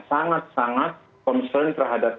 sangat sangat concern terhadap